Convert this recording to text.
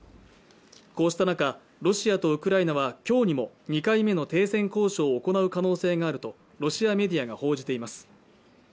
こうした中ロシアとウクライナは今日にも２回目の停戦交渉を行う可能性があるとロシアメディアが報じています